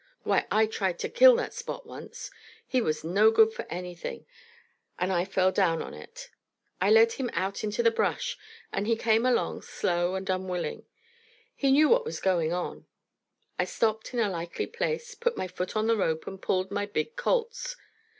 Why, I tried to kill that Spot once he was no good for anything; and I fell down on it. I led him out into the brush, and he came along slow and unwilling. He knew what was going on. I stopped in a likely place, put my foot on the rope, and pulled my big Colt's.